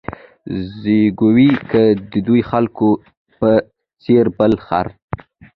زېږوې که د دې خلکو په څېر بل خر